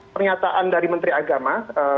pernyataan dari menteri agama